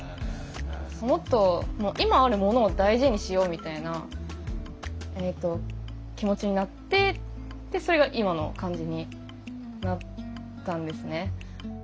もっと今あるものを大事にしようみたいな気持ちになってでそれが今の感じになったんですね。